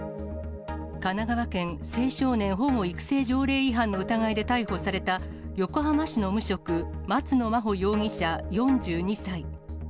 神奈川県青少年保護育成条例違反の疑いで逮捕された横浜市の無職、松野真帆容疑者４２歳。